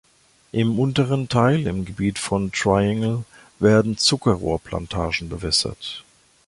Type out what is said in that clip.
Im unteren Teil, im Gebiet von Triangle, werden Zuckerrohrplantagen bewässert.